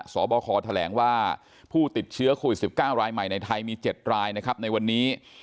สอบครอว์แถลงว่าผู้ติดเชื้อโควิดสิบเก้ารายใหม่ในไทยมีเจ็ดรายนะครับในวันนี้